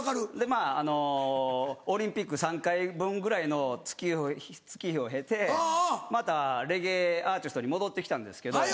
まぁあのオリンピック３回分ぐらいの月日を経てまたレゲエアーティストに戻ってきたんですけど。